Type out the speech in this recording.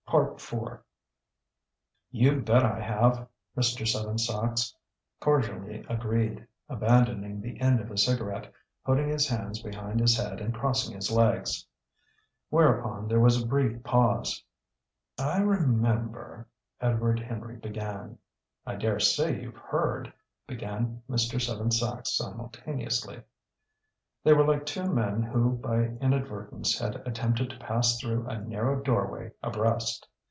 IV. "You bet I have!" Mr. Seven Sachs cordially agreed, abandoning the end of a cigarette, putting his hands behind his head, and crossing his legs. Whereupon there was a brief pause. "I remember " Edward Henry began. "I dare say you've heard " began Mr. Seven Sachs simultaneously. They were like two men who by inadvertence had attempted to pass through a narrow doorway abreast.